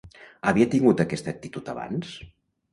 Havia tingut aquesta actitud abans?